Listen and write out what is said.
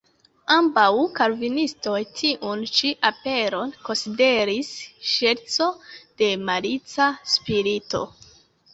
Ambaŭ kalvinistoj tiun ĉi aperon konsideris ŝerco de malica spirito.